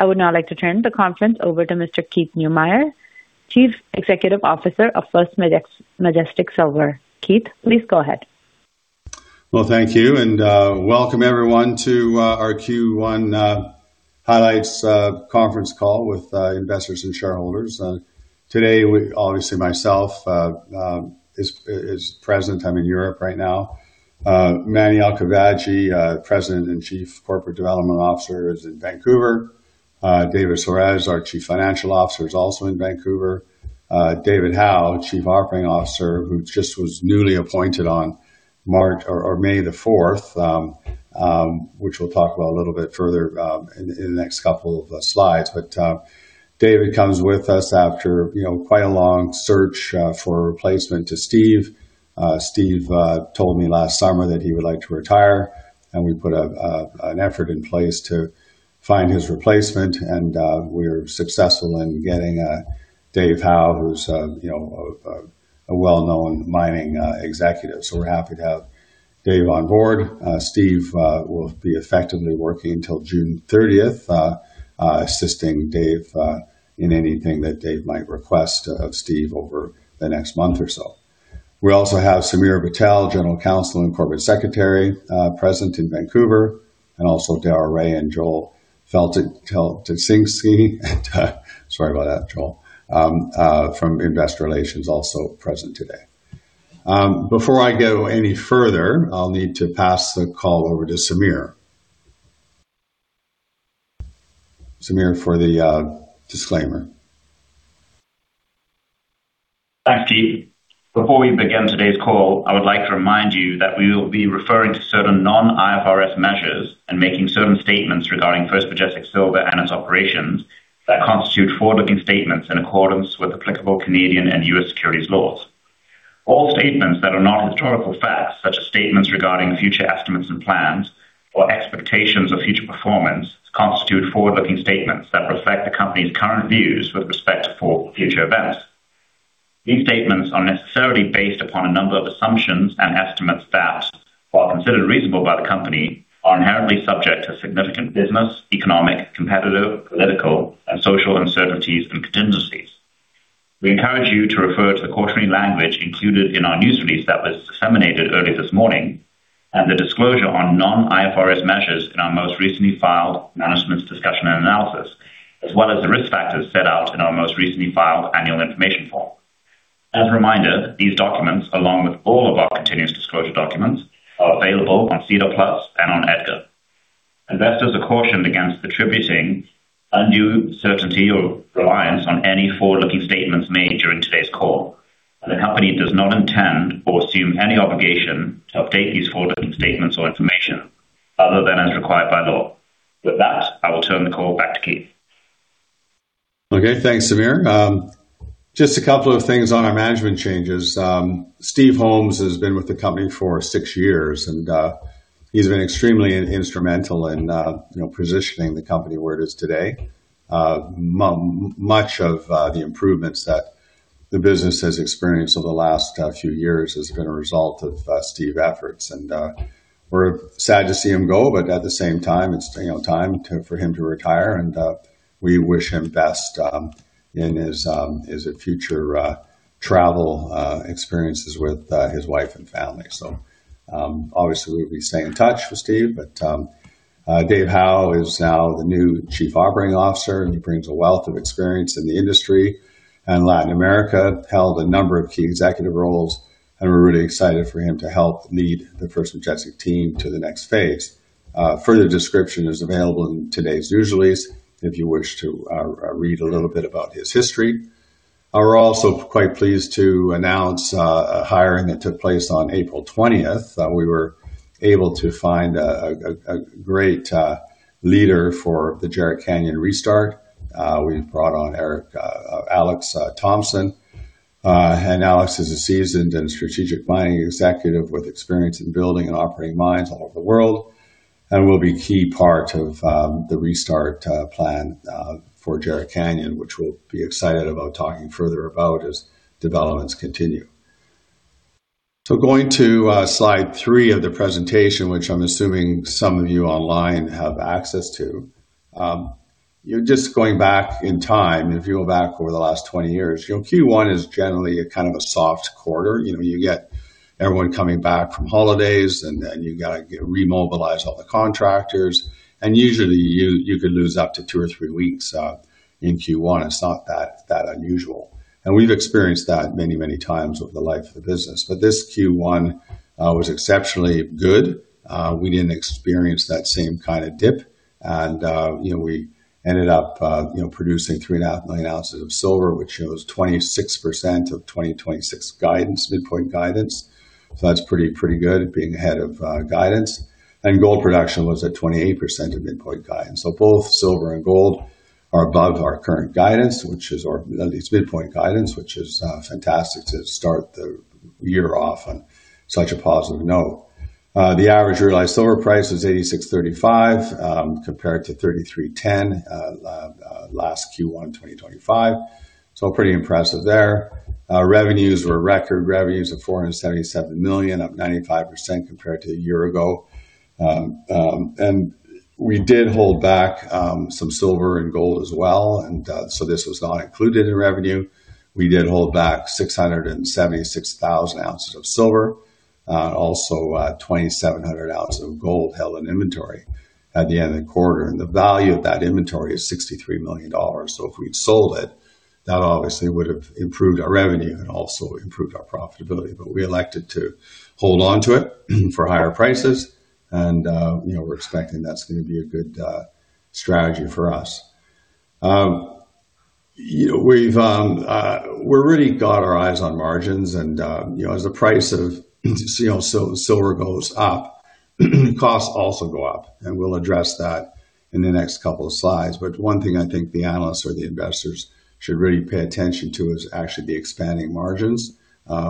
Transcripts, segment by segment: I would now like to turn the conference over to Mr. Keith Neumeyer, Chief Executive Officer of First Majestic Silver. Keith, please go ahead. Well, thank you, and welcome everyone to our Q1 highlights conference call with investors and shareholders. Today obviously myself is present. I'm in Europe right now. Mani Alkhafaji, President and Chief Corporate Development Officer, is in Vancouver. David Soares, our Chief Financial Officer, is also in Vancouver. David Howe, Chief Operating Officer, who just was newly appointed on March or May 4th, which we'll talk about a little bit further in the next couple of slides. David comes with us after, you know, quite a long search for a replacement to Steve. Steve told me last summer that he would like to retire, and we put an effort in place to find his replacement, and we were successful in getting Dave Howe, who's, you know, a well-known mining executive. We're happy to have Dave on board. Steve will be effectively working till June 30th, assisting Dave in anything that Dave might request of Steve over the next month or so. We also have Samir Patel, General Counsel and Corporate Secretary, present in Vancouver, and also Darrell Rae and Joel Faltinsky, sorry about that, Joel, from Investor Relations, also present today. Before I go any further, I'll need to pass the call over to Samir. Samir, for the disclaimer. Thanks, Keith. Before we begin today's call, I would like to remind you that we will be referring to certain non-IFRS measures and making certain statements regarding First Majestic Silver and its operations that constitute forward-looking statements in accordance with applicable Canadian and U.S. securities laws. All statements that are not historical facts, such as statements regarding future estimates and plans or expectations of future performance, constitute forward-looking statements that reflect the company's current views with respect for future events. These statements are necessarily based upon a number of assumptions and estimates that, while considered reasonable by the company, are inherently subject to significant business, economic, competitive, political, and social uncertainties and contingencies. We encourage you to refer to the cautionary language included in our news release that was disseminated early this morning and the disclosure on non-IFRS measures in our most recently filed management's discussion and analysis, as well as the risk factors set out in our most recently filed annual information form. As a reminder, these documents, along with all of our continuous disclosure documents, are available on SEDAR+ and on EDGAR. Investors are cautioned against attributing undue certainty or reliance on any forward-looking statements made during today's call. The company does not intend or assume any obligation to update these forward-looking statements or information other than as required by law. With that, I will turn the call back to Keith. Okay. Thanks, Samir. Just a couple of things on our management changes. Steve Holmes has been with the company for six years, he's been extremely instrumental in, you know, positioning the company where it is today. Much of the improvements that the business has experienced over the last few years has been a result of Steve's efforts. We're sad to see him go, but at the same time, it's, you know, time for him to retire and we wish him best in his future travel experiences with his wife and family. Obviously, we'll be staying in touch with Steve, but Dave Howe is now the new Chief Operating Officer, and he brings a wealth of experience in the industry and Latin America, held a number of key executive roles, and we're really excited for him to help lead the First Majestic team to the next phase. Further description is available in today's news release if you wish to read a little bit about his history. We're also quite pleased to announce a hiring that took place on April 20th. We were able to find a great leader for the Jerritt Canyon restart. We've brought on Alex Thompson. Alex is a seasoned and strategic mining executive with experience in building and operating mines all over the world and will be key part of the restart plan for Jerritt Canyon, which we'll be excited about talking further about as developments continue. Going to slide three of the presentation, which I'm assuming some of you online have access to. You're just going back in time. If you go back over the last 20 years, you know, Q1 is generally a kind of a soft quarter. You know, you get everyone coming back from holidays and then you gotta re-mobilize all the contractors. Usually you could lose up to two or three weeks in Q1. It's not that unusual. We've experienced that many times over the life of the business. This Q1 was exceptionally good. We didn't experience that same kinda dip. You know, we ended up, you know, producing 3.5 million ounces of silver, which shows 26% of 2026 guidance, midpoint guidance. That's pretty good being ahead of guidance. Gold production was at 28% of midpoint guidance. Both silver and gold are above our current guidance, which is our, at least midpoint guidance, which is fantastic to start the year off on such a positive note. The average realized silver price is $86.35 compared to $33.10 last Q1 in 2025. Pretty impressive there. Revenues were record revenues of $477 million, up 95% compared to a year ago. We did hold back some silver and gold as well. This was not included in revenue. We did hold back 676,000 ounces of silver, also 2,700 ounces of gold held in inventory at the end of the quarter. The value of that inventory is $63 million. If we'd sold it, that obviously would have improved our revenue and also improved our profitability. We elected to hold on to it for higher prices and, you know, we're expecting that's going to be a good strategy for us. You know, we've, we really got our eyes on margins and, you know, as the price of silver goes up, costs also go up, and we'll address that in the next couple of slides. One thing I think the analysts or the investors should really pay attention to is actually the expanding margins,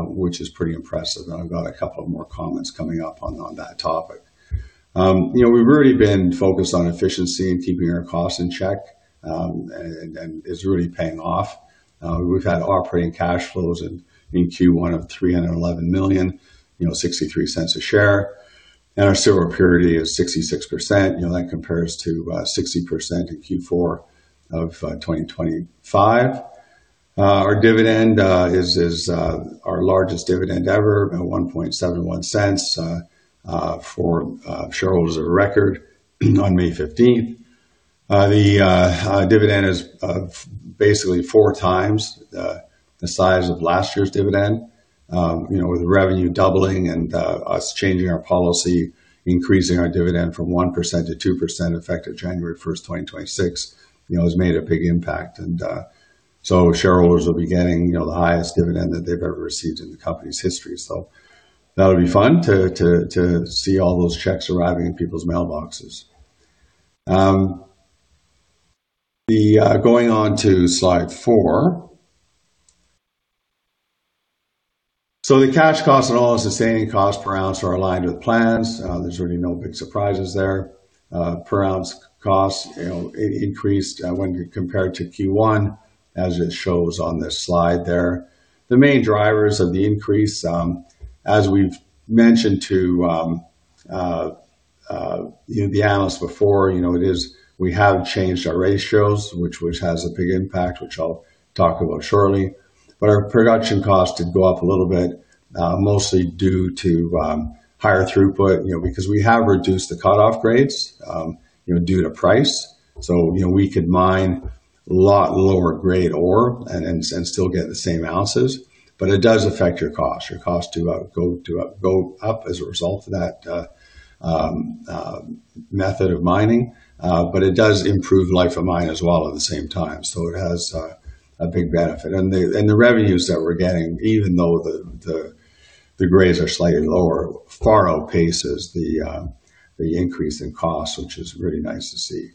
which is pretty impressive. I've got a couple of more comments coming up on that topic. You know, we've really been focused on efficiency and keeping our costs in check, and it's really paying off. We've had operating cash flows in Q1 of $311 million, you know, $0.63 a share, and our silver purity is 66%. You know, that compares to 60% in Q4 of 2025. Our dividend is our largest dividend ever at $0.0171 for shareholders of record on May 15th. The dividend is basically 4x the size of last year's dividend. You know, with revenue doubling and us changing our policy, increasing our dividend from 1%-2%, effective January 1st, 2026, you know, has made a big impact. Shareholders will be getting, you know, the highest dividend that they've ever received in the company's history. That'll be fun to see all those checks arriving in people's mailboxes. Going on to slide four. The cash costs and all-in sustaining costs per ounce are aligned with plans. There's really no big surprises there. Per ounce costs, you know, increased when compared to Q1 as it shows on this slide there. The main drivers of the increase, as we've mentioned to, you know, the analysts before, you know, it is we have changed our ratios, which has a big impact, which I'll talk about shortly. Our production costs did go up a little bit, mostly due to higher throughput, you know, because we have reduced the cut off grades, you know, due to price. You know, we could mine a lot lower grade ore and still get the same ounces. It does affect your cost. Your costs do go up as a result of that method of mining. It does improve life of mine as well at the same time. It has a big benefit. The revenues that we're getting, even though the grades are slightly lower, far outpaces the increase in costs, which is really nice to see.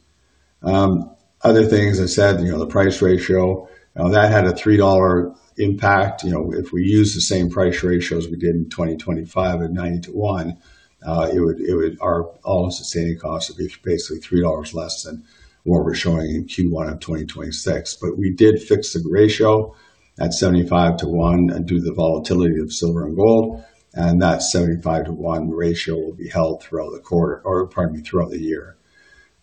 Other things as I said, you know, the price ratio, that had a $3 impact. You know, if we use the same price ratio as we did in 2025 at 90 to one, our all-in sustaining costs would be basically $3 less than what we're showing in Q1 of 2026. We did fix the ratio at 75 to one due to the volatility of silver and gold, and that 75 to one ratio will be held throughout the quarter or, pardon me, throughout the year.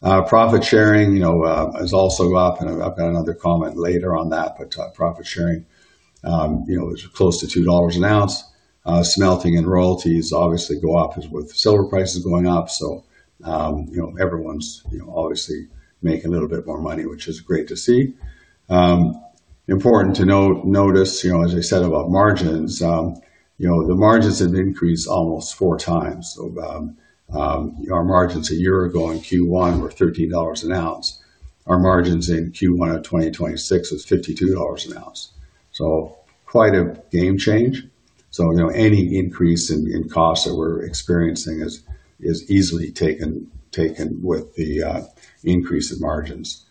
Profit sharing, you know, is also up, and I've got another comment later on that. Profit sharing, you know, is close to $2 an ounce. Smelting and royalties obviously go up as with silver prices going up. You know, everyone's, you know, obviously making a little bit more money, which is great to see. Important to notice, you know, as I said about margins, you know, the margins have increased almost 4x. Our margins a year ago in Q1 were $13 an ounce. Our margins in Q1 of 2026 is $52 an ounce. Quite a game change. You know, any increase in costs that we're experiencing is easily taken with the increase in margins.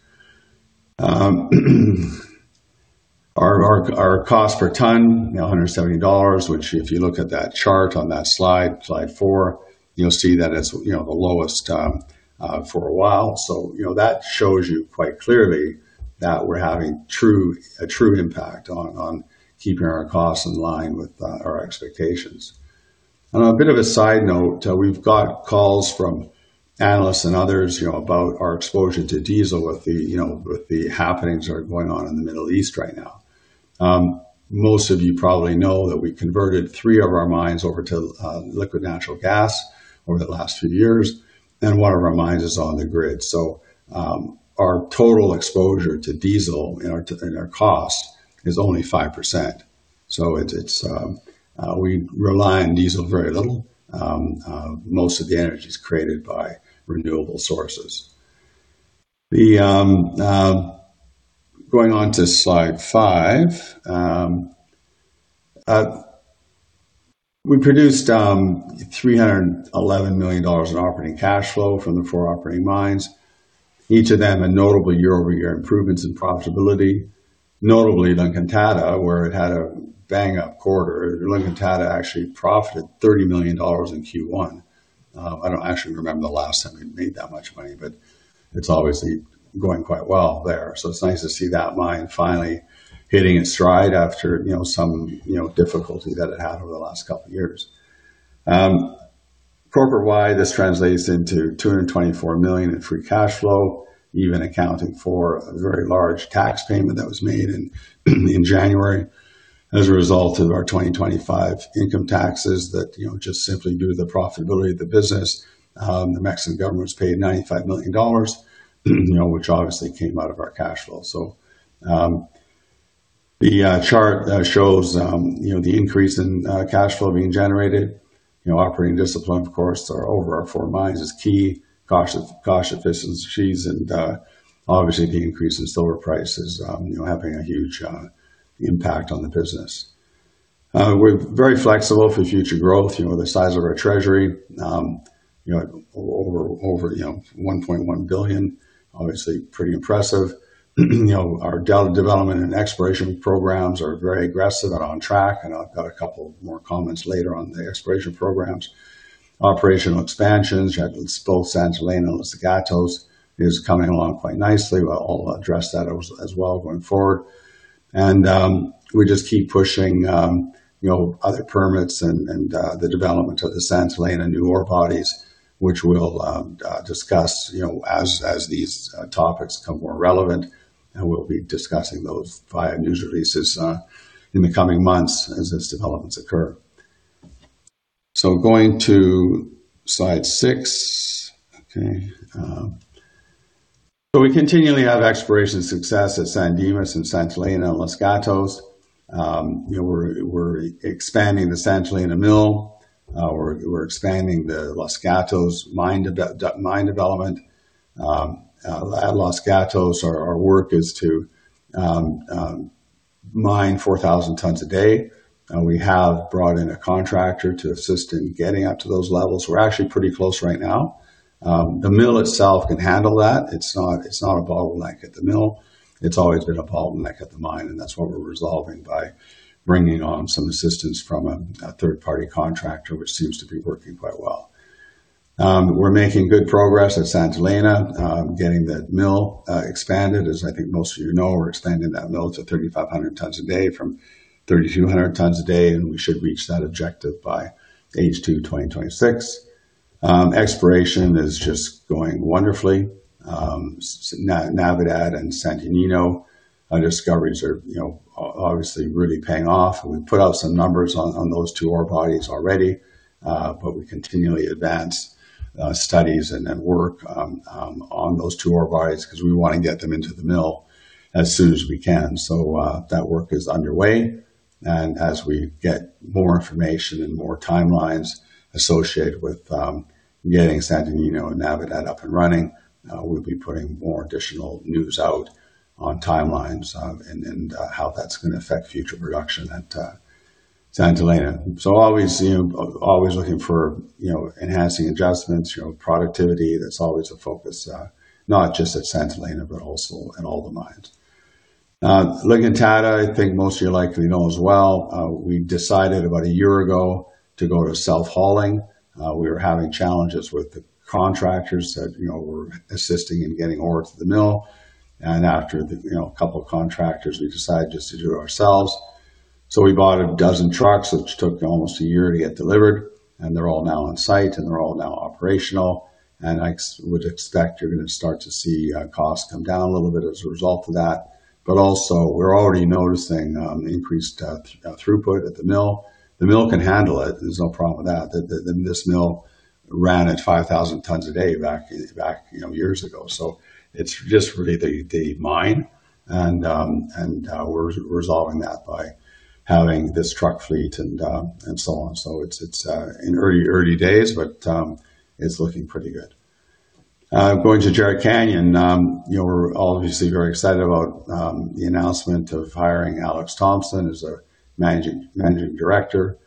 Our cost per ton, you know, $170, which if you look at that chart on that slide four, you'll see that it's, you know, the lowest for a while. You know, that shows you quite clearly that we're having a true impact on keeping our costs in line with our expectations. On a bit of a side note, we've got calls from analysts and others, you know, about our exposure to diesel with the happenings that are going on in the Middle East right now. Most of you probably know that we converted three of our mines over to liquid natural gas over the last few years, and one of our mines is on the grid. Our total exposure to diesel in our cost is only 5%. We rely on diesel very little. Most of the energy is created by renewable sources. Going on to slide five. We produced $311 million in operating cash flow from the four operating mines. Each of them a notable year-over-year improvements in profitability. Notably, La Encantada, where it had a bang-up quarter. La Encantada actually profited $30 million in Q1. I don't actually remember the last time we made that much money, but it's obviously going quite well there. It's nice to see that mine finally hitting its stride after, you know, some, you know, difficulty that it had over the last couple of years. Corporate-wide, this translates into $224 million in free cash flow, even accounting for a very large tax payment that was made in January as a result of our 2025 income taxes that, you know, just simply due to the profitability of the business, the Mexican government's paid $95 million, you know, which obviously came out of our cash flow. The chart shows, you know, the increase in cash flow being generated. You know, operating discipline, of course, are over our four mines is key. Cost efficiencies and obviously the increase in silver prices, you know, having a huge impact on the business. We're very flexible for future growth, you know, the size of our treasury, you know, over $1.1 billion, obviously pretty impressive. You know, our development and exploration programs are very aggressive and on track, I've got a couple more comments later on the exploration programs. Operational expansions at both Santa Elena and Los Gatos is coming along quite nicely. We'll address that as well going forward. We just keep pushing, you know, other permits and the development of the Santa Elena new ore bodies, which we'll discuss, you know, as these topics become more relevant, and we'll be discussing those via news releases in the coming months as those developments occur. Going to slide six. Okay. We continually have exploration success at San Dimas and Santa Elena, Los Gatos. You know, we're expanding the Santa Elena mill. We're expanding the Los Gatos mine development. At Los Gatos our work is to mine 4,000 tons a day. We have brought in a contractor to assist in getting up to those levels. We're actually pretty close right now. The mill itself can handle that. It's not a bottleneck at the mill. It's always been a bottleneck at the mine, and that's what we're resolving by bringing on some assistance from a third-party contractor, which seems to be working quite well. We're making good progress at Santa Elena, getting the mill expanded. As I think most of you know, we're expanding that mill to 3,500 tons a day from 3,200 tons a day, and we should reach that objective by H2 2026. Exploration is just going wonderfully. Navidad and Santo Niño discoveries are, you know, obviously really paying off. We've put out some numbers on those two ore bodies already, but we continually advance studies and then work on those two ore bodies 'cause we wanna get them into the mill as soon as we can. That work is underway. As we get more information and more timelines associated with getting Santo Niño and Navidad up and running, we'll be putting more additional news out on timelines and how that's gonna affect future production at Santa Elena. Always, you know, always looking for, you know, enhancing adjustments, you know, productivity, that's always a focus, not just at Santa Elena, but also in all the mines. La Encantada, I think most of you likely know as well, we decided about a year ago to go to self-hauling. We were having challenges with the contractors that, you know, were assisting in getting ore to the mill. After the, you know, couple of contractors, we decided just to do it ourselves. We bought a dozen trucks, which took almost a year to get delivered. They're all now on site, they're all now operational. I would expect you're gonna start to see costs come down a little bit as a result of that. Also, we're already noticing the increased throughput at the mill. The mill can handle it. There's no problem with that. This mill ran at 5,000 tons a day back, you know, years ago. It's just really the mine and, we're resolving that by having this truck fleet and so on. It's in early days, but it's looking pretty good. Going to Jerritt Canyon, you know, we're obviously very excited about the announcement of hiring Alex Thompson as our Managing Director.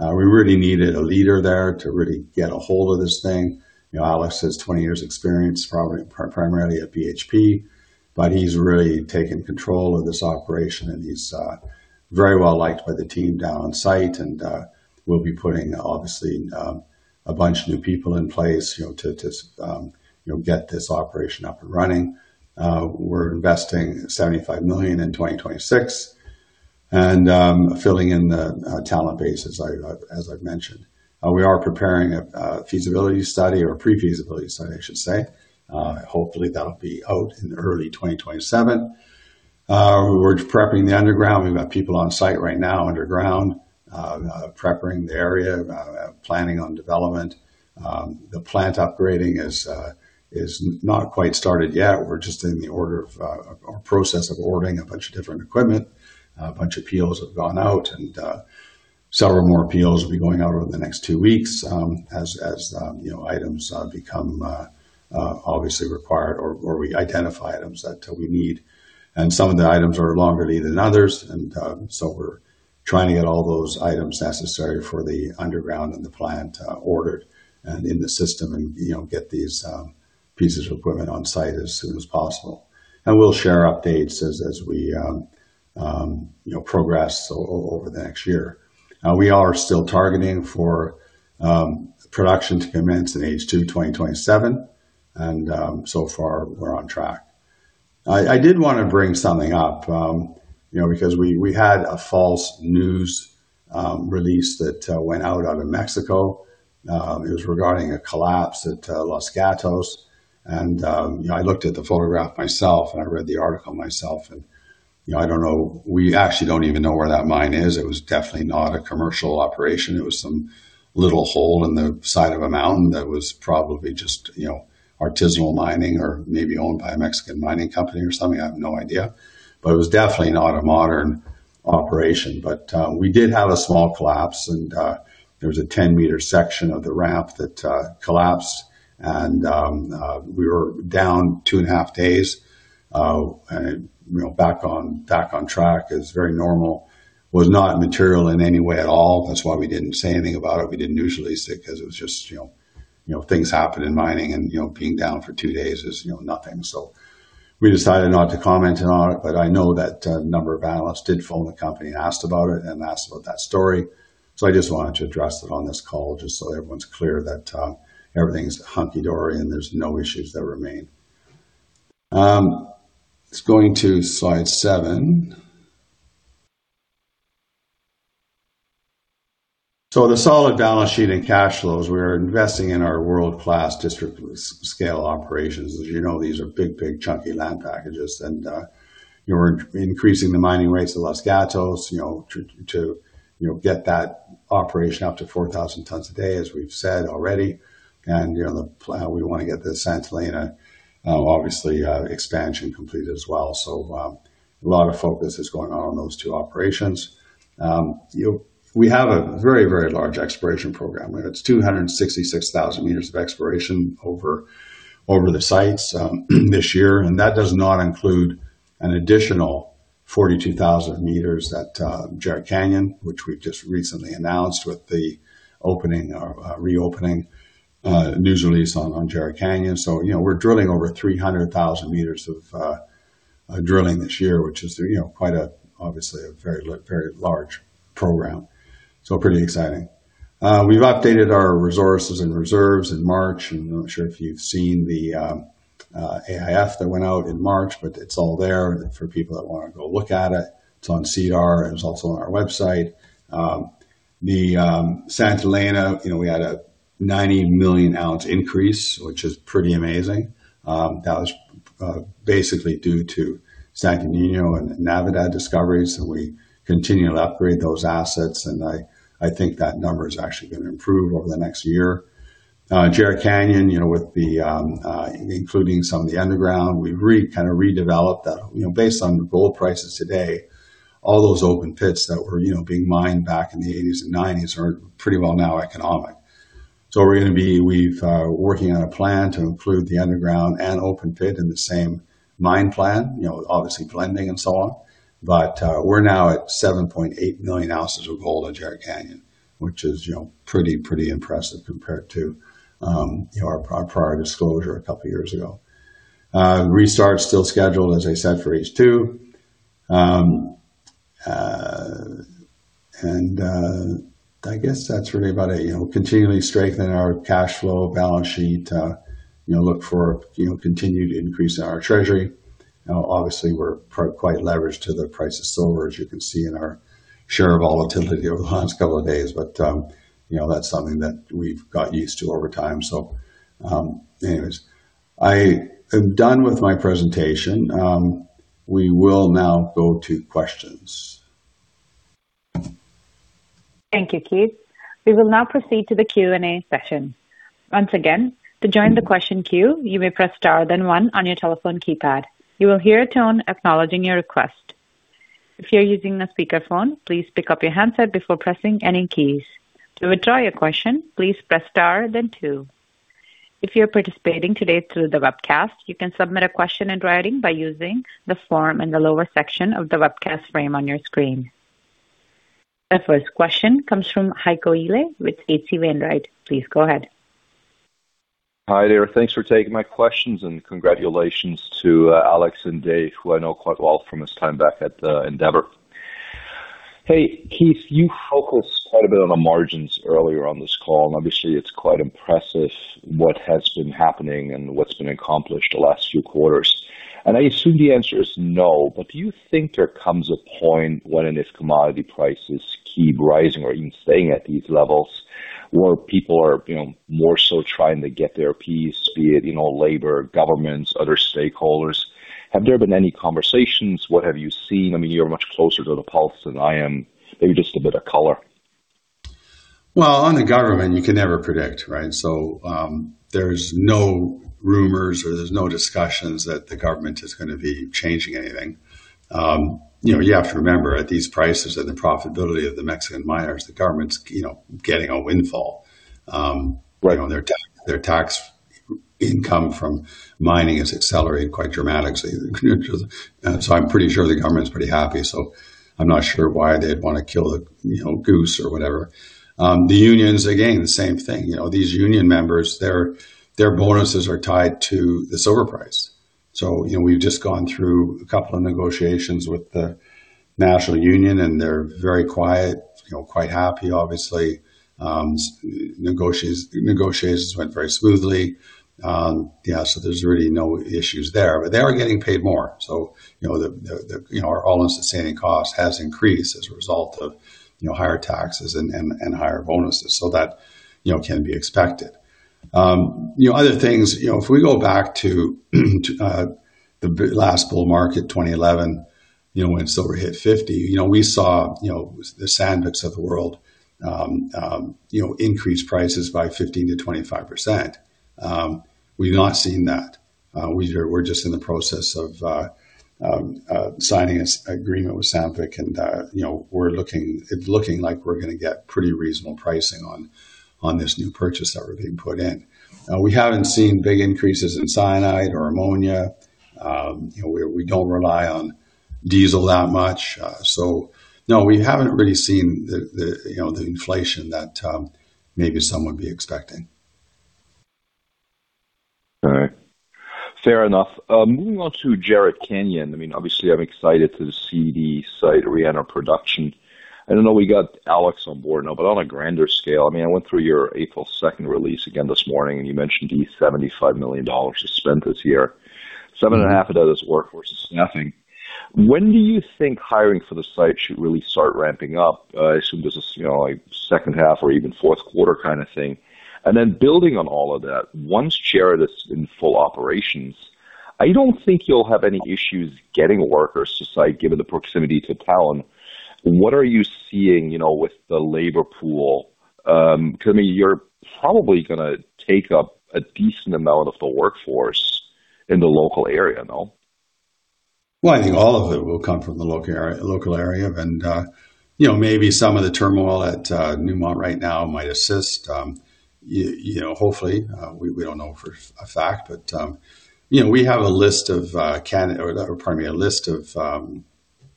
We really needed a leader there to really get a hold of this thing. You know, Alex has 20 years experience primarily at BHP, but he's really taken control of this operation, and he's very well-liked by the team down on site. We'll be putting obviously a bunch of new people in place, you know, to just, you know, get this operation up and running. We're investing $75 million in 2026 and filling in the talent base as I've mentioned. We are preparing a feasibility study or pre-feasibility study, I should say. Hopefully that'll be out in early 2027. We're prepping the underground. We've got people on site right now underground, prepping the area, planning on development. The plant upgrading is not quite started yet. We're just in the order of or process of ordering a bunch of different equipment. A bunch of POs have gone out, and several more POs will be going out over the next two weeks, as, you know, items become obviously required or we identify items that we need. Some of the items are longer lead than others. So we're trying to get all those items necessary for the underground and the plant, ordered and in the system and, you know, get these pieces of equipment on site as soon as possible. We'll share updates as we, you know, progress over the next year. We are still targeting for production to commence in H2 2027 and so far we're on track. I did wanna bring something up, you know, because we had a false news release that went out in Mexico. It was regarding a collapse at Los Gatos. You know, I looked at the photograph myself, and I read the article myself and, you know, We actually don't even know where that mine is. It was definitely not a commercial operation. It was some little hole in the side of a mountain that was probably just, you know, artisanal mining or maybe owned by a Mexican mining company or something. I have no idea. But definitely was not a modern operation but we did have a small collapse and there was a 10-meter section of the ramp that collapsed and we were down 2.5 days and, you know, back on track. It's very normal. Was not material in any way at all. That's why we didn't say anything about it. We didn't news release it 'cause it was just, you know, things happen in mining and, you know, being down for two days is, you know, nothing. We decided not to comment on it, but I know that a number of analysts did phone the company and asked about it and asked about that story. I just wanted to address it on this call just so everyone's clear that everything's hunky dory and there's no issues that remain. Let's go into slide seven. The solid balance sheet and cash flows, we are investing in our world-class district scale operations. As you know, these are big chunky land packages. We're increasing the mining rates at Los Gatos, you know, to, you know, get that operation up to 4,000 tons a day, as we've said already. You know, the plan we wanna get the Santa Elena obviously expansion completed as well. A lot of focus is going on those two operations. You know, we have a very, very large exploration program. It's 266,000 meters of exploration over the sites this year, That does not include an additional 42,000 meters at Jerritt Canyon, which we've just recently announced with the opening or reopening news release on Jerritt Canyon. You know, we're drilling over 300,000 meters of drilling this year, which is, you know, quite a, obviously a very large program. Pretty exciting. We've updated our resources and reserves in March. I'm not sure if you've seen the AIF that went out in March, but it's all there for people that wanna go look at it. It's on SEDAR, and it's also on our website. The Santa Elena, you know, we had a 90 million ounce increase, which is pretty amazing. That was basically due to Santo Niño and Navidad discoveries, and we continue to upgrade those assets, and I think that number is actually gonna improve over the next year. Jerritt Canyon, you know, with the including some of the underground, we kinda redeveloped that. You know, based on gold prices today, all those open pits that were, you know, being mined back in the 1980s and 1990s are pretty well now economic. We're gonna be working on a plan to include the underground and open pit in the same mine plan, you know, obviously blending and so on. We're now at 7.8 million ounces of gold at Jerritt Canyon, which is, you know, pretty impressive compared to, you know, our prior disclosure a couple years ago. Restart's still scheduled, as I said, for H2. I guess that's really about it. You know, continually strengthening our cash flow, balance sheet, you know, look for, you know, continued increase in our treasury. Obviously we're quite leveraged to the price of silver, as you can see in our share volatility over the last couple of days, but, you know, that's something that we've gotten used to over time. Anyways, I am done with my presentation. We will now go to questions. Thank you, Keith. We will now proceed to the Q&A session. Once again, to join the question queue, you may press star then one on your telephone keypad. You will hear a tone acknowledging your request. If you're using a speakerphone, please pick up your handset before pressing any keys. To withdraw your question, please press star then two. If you're participating today through the webcast, you can submit a question in writing by using the form in the lower section of the webcast frame on your screen. The first question comes from Heiko Ihle with H.C. Wainwright. Please go ahead. Hi there. Thanks for taking my questions, and congratulations to Alex and Dave, who I know quite well from his time back at Endeavour. Hey, Keith Neumeyer, you focused quite a bit on the margins earlier on this call, and obviously it's quite impressive what has been happening and what's been accomplished the last few quarters. I assume the answer is no, but do you think there comes a point when and if commodity prices keep rising or even staying at these levels where people are, you know, more so trying to get their piece, be it, you know, labor, governments, other stakeholders? Have there been any conversations? What have you seen? I mean, you're much closer to the pulse than I am. Maybe just a bit of color. Well, on the government, you can never predict, right? There's no rumors or there's no discussions that the government is gonna be changing anything. You know, you have to remember, at these prices and the profitability of the Mexican miners, the government's, you know, getting a windfall. Right. You know, their tax income from mining has accelerated quite dramatically. I'm pretty sure the government's pretty happy, so I'm not sure why they'd wanna kill the, you know, goose or whatever. The unions, again, the same thing. You know, these union members, their bonuses are tied to the silver price. So, you know, we've just gone through a couple of negotiations with the national union, and they're very quiet, you know, quite happy, obviously. Negotiations went very smoothly. Yeah, there's really no issues there. They are getting paid more, so, you know, our all-in sustaining costs has increased as a result of, you know, higher taxes and higher bonuses. That, you know, can be expected. You know, other things, you know, if we go back to the last bull market, 2011, you know, when silver hit 50%, you know, we saw, you know, the Sandviks of the world, you know, increase prices by 15%-25%. We've not seen that. We're just in the process of signing this agreement with Sandvik, and, you know, it's looking like we're gonna get pretty reasonable pricing on this new purchase that we're being put in. We haven't seen big increases in cyanide or ammonia. You know, we don't rely on diesel that much. No, we haven't really seen the, you know, the inflation that maybe some would be expecting. All right. Fair enough. Moving on to Jerritt Canyon. I mean, obviously, I'm excited to see the site reenter production. I don't know we got Alex on board now, but on a grander scale, I mean, I went through your April 2nd release again this morning, and you mentioned the $75 million to spend this year. 7.5 of that is workforce and staffing. When do you think hiring for the site should really start ramping up? I assume this is, you know, like second half or even fourth quarter kinda thing. Building on all of that, once Jerritt is in full operations, I don't think you'll have any issues getting workers to site, given the proximity to town. What are you seeing, you know, with the labor pool? 'Cause I mean you're probably gonna take up a decent amount of the workforce in the local area, no? Well, I think all of it will come from the local local area. You know, maybe some of the turmoil at Newmont right now might assist, you know, hopefully. We don't know for a fact. You know, we have a list of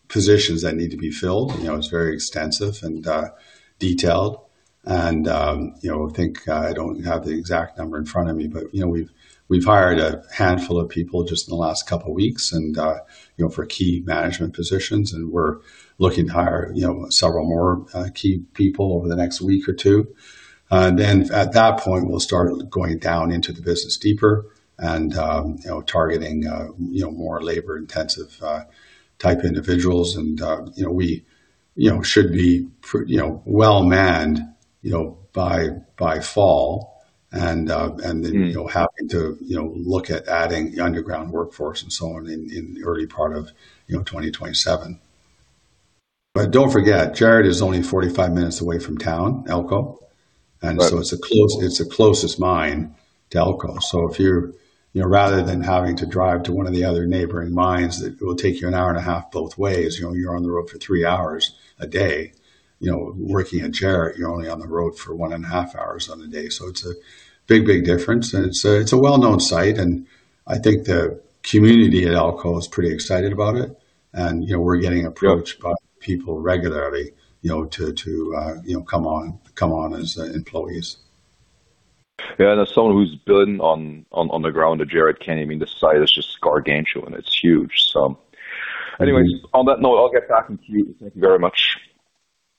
positions that need to be filled. You know, it's very extensive and detailed and, you know, I think, I don't have the exact number in front of me, but, you know, we've hired a handful of people just in the last couple weeks and, you know, for key management positions, and we're looking to hire, you know, several more key people over the next week or two. Then at that point, we'll start going down into the business deeper and, you know, targeting, you know, more labor intensive type individuals and, you know, we, you know, should be well manned, you know, by fall. Then, you know, happy to, you know, look at adding the underground workforce and so on in early part of, you know, 2027. Don't forget, Jerritt is only 45 minutes away from town, Elko. It's the closest mine to Elko. If you're, you know, rather than having to drive to one of the other neighboring mines, that will take you 1.5 hours both ways, you know, you're on the road for three hours a day. You know, working at Jerritt, you're only on the road for 1.5 hours on a day. It's a big difference. It's a well-known site, and I think the community at Elko is pretty excited about it. You know, we're getting approached by people regularly, you know, to come on as employees. Yeah, and as someone who's been on the ground at Jerritt Canyon, I mean, the site is just gargantuan. It's huge. Anyways, on that note, I'll get back into you. Thank you very much.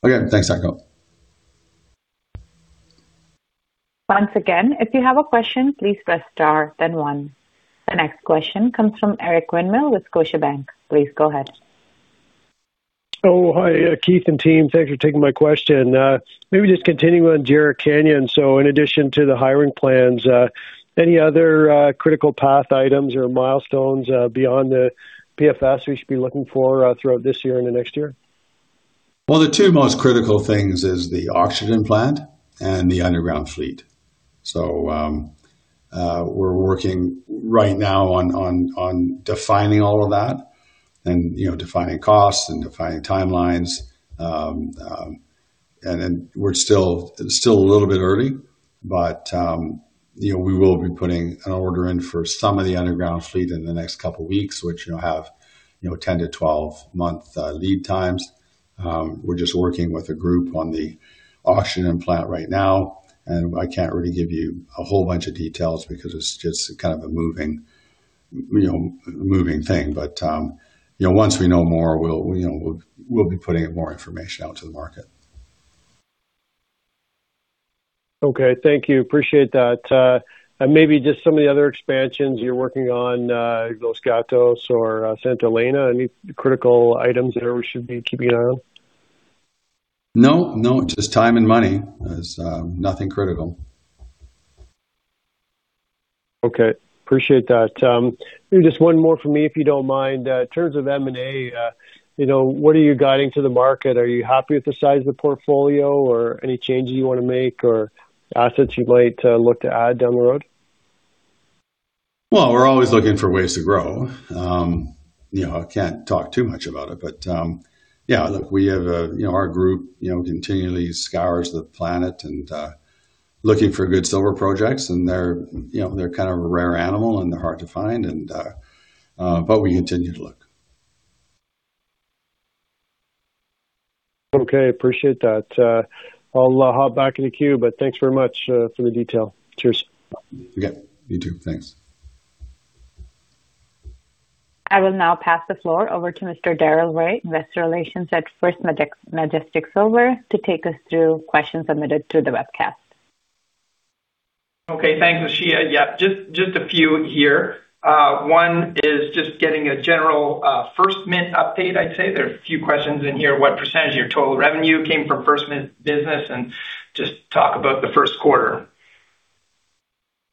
Okay. Thanks, Heiko. Once again, if you have a question, please press star then one. The next question comes from Eric Winmill with Scotiabank. Please go ahead. Hi Keith and team. Thanks for taking my question. Maybe just continuing on Jerritt Canyon. In addition to the hiring plans, any other critical path items or milestones beyond the PFS we should be looking for throughout this year and the next year? Well, the two most critical things is the oxygen plant and the underground fleet. We're working right now on defining all of that and, you know, defining costs and defining timelines. It's still a little bit early, but, you know, we will be putting an order in for some of the underground fleet in the next couple weeks, which, you know, have, you know, 10-12 month lead times. We're just working with a group on the oxygen plant right now, and I can't really give you a whole bunch of details because it's just kind of a moving, you know, moving thing. Once we know more, we'll be putting more information out to the market. Okay. Thank you. Appreciate that. Maybe just some of the other expansions you're working on, Los Gatos or Santa Elena, any critical items there we should be keeping an eye on? No, no, just time and money. There's nothing critical. Okay. Appreciate that. Maybe just one more from me, if you don't mind. In terms of M&A, you know, what are you guiding to the market? Are you happy with the size of the portfolio or any changes you wanna make or assets you'd like to look to add down the road? Well, we're always looking for ways to grow. You know, I can't talk too much about it, but, yeah, look, our group, you know, continually scours the planet and looking for good silver projects, and they're, you know, they're kind of a rare animal, and they're hard to find. We continue to look. Okay, appreciate that. I'll hop back in the queue, but thanks very much for the detail. Cheers. Yeah, you too. Thanks. I will now pass the floor over to Mr. Darrell Rae, investor relations at First Majestic Silver, to take us through questions submitted through the webcast. Okay, thanks, Nashia. Yeah, just a few here. One is just getting a general First Mint update, I'd say. There are a few questions in here. What percentage of your total revenue came from First Mint business? Just talk about the first quarter.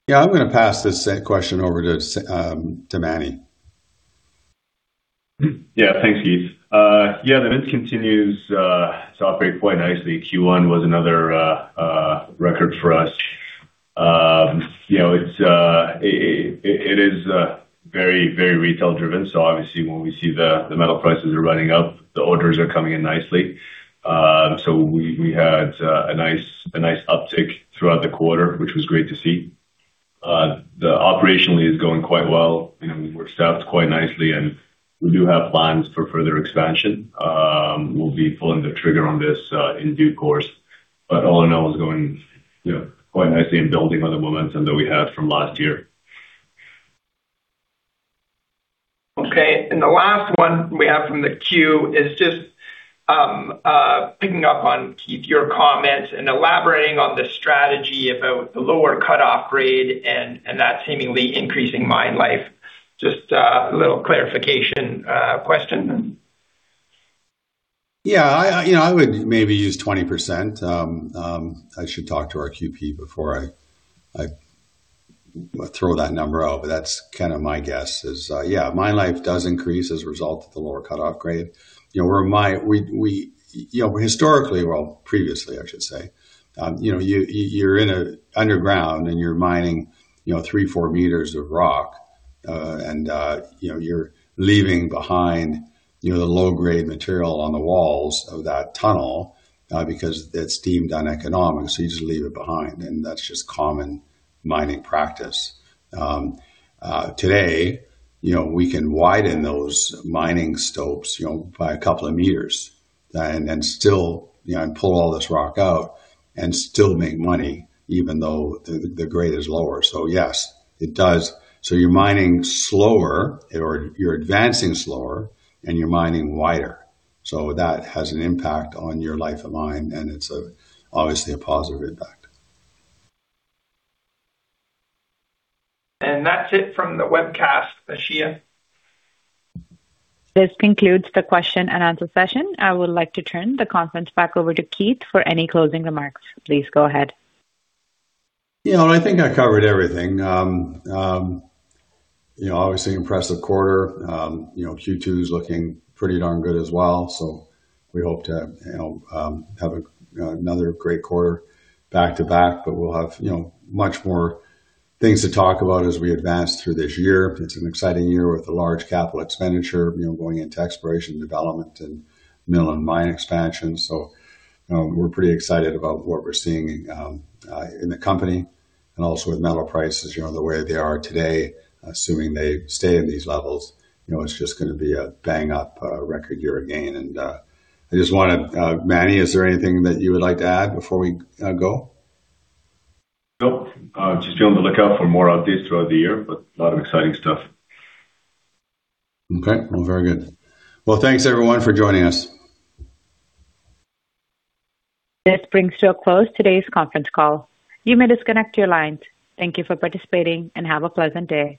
Yeah, I'm gonna pass this question over to Mani. Yeah, thanks, Keith. Yeah, the Mint continues to operate quite nicely. Q1 was another record for us. You know, it is very, very retail driven, obviously when we see the metal prices are running up, the orders are coming in nicely. We had a nice uptick throughout the quarter, which was great to see. The operationally is going quite well. You know, we worked staffed quite nicely, we do have plans for further expansion. We'll be pulling the trigger on this in due course. All in all, it's going, you know, quite nicely and building on the momentum that we had from last year. Okay. The last one we have from the queue is just picking up on, Keith, your comment and elaborating on the strategy about the lower cut-off grade and that seemingly increasing mine life. Just a little clarification question. Yeah, I, you know, I would maybe use 20%. I should talk to our QP before I throw that number out, but that's kind of my guess is, yeah, mine life does increase as a result of the lower cut-off grade. You know, we're an underground, and you're mining, you know, three, four meters of rock, and, you know, you're leaving behind, you know, the low-grade material on the walls of that tunnel, because it's deemed uneconomic, so you just leave it behind, and that's just common mining practice. Today, you know, we can widen those mining stopes, you know, by a couple of meters and still, you know, pull all this rock out and still make money even though the grade is lower. Yes, it does. You're mining slower or you're advancing slower, and you're mining wider. That has an impact on your life of mine, and it's obviously a positive impact. That's it from the webcast, Nashia. This concludes the question-and-answer session. I would like to turn the conference back over to Keith for any closing remarks. Please go ahead. You know, I think I covered everything. You know, obviously impressive quarter. You know, Q2 is looking pretty darn good as well. We hope to, you know, have another great quarter back-to-back, but we'll have, you know, much more things to talk about as we advance through this year. It's an exciting year with a large capital expenditure, you know, going into exploration, development, and mill and mine expansion. You know, we're pretty excited about what we're seeing in the company and also with metal prices, you know, the way they are today, assuming they stay in these levels. You know, it's just gonna be a bang-up record year again. I just wanna, Mani, is there anything that you would like to add before we go? Nope. Just be on the lookout for more updates throughout the year, but a lot of exciting stuff. Okay. Well, very good. Well, thanks everyone for joining us. This brings to a close today's conference call. You may disconnect your lines. Thank you for participating and have a pleasant day.